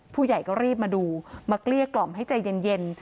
ผู้ใหญ่ก็รีบมาดูมาเกลี้ยกล่อมให้ใจเย็น